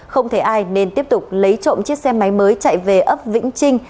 không thấy ai nên tiếp tục lấy trộm chiếc xe máy mới chạy về ấp vĩnh trinh